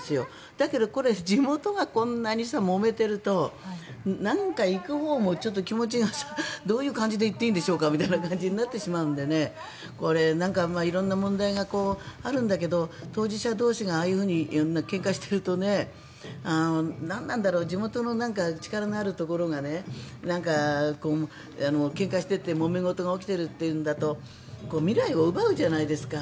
だけどこれ、地元がこんなにもめてるとなんか行くほうも、気持ちがどういう感じで行っていいんでしょうかみたいな感じになってしまうのでこれ、色んな問題があるんだけど当事者同士がああいうふうにけんかしているとなんなんだろう地元の力のあるところがけんかしていて、もめごとが起きているというのだと未来を奪うじゃないですか。